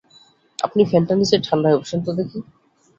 আপনি ফ্যানটার নিচে ঠাণ্ডা হয়ে বসেন তো দেখি।